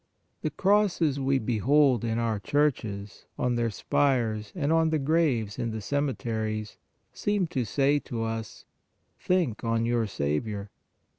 The crosses we behold in our churches, on their spires, and on the graves in the cemeteries, seem to say to us :" Think on your Saviour."